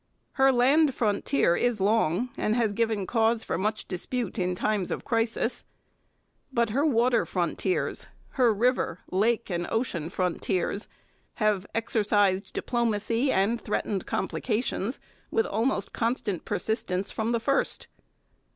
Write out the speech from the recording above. Her land frontier is long and has given cause for much dispute in times of crisis. But her water frontiers her river, lake, and ocean frontiers have exercised diplomacy and threatened complications with almost constant persistence from the first.